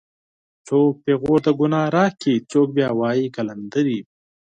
څوک پېغور د گناه راکړي څوک بیا وایي قلندرې